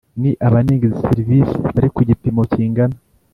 ni Abanenga izi serivisi bari ku gipimo kingana